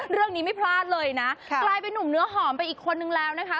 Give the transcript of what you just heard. เรื่องนี้ไม่พลาดเลยนะกลายเป็นนุ่มเนื้อหอมไปอีกคนนึงแล้วนะคะ